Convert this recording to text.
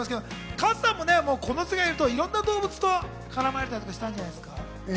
加藤さんもこれまで、いろんな動物と絡まれたりしたんじゃないですか？